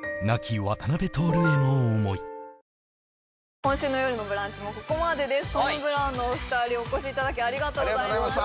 今週の「よるのブランチ」もここまでですトム・ブラウンのお二人お越しいただきありがとうございました